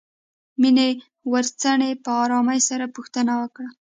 مينې ورڅنې په آرامۍ سره پوښتنه وکړه.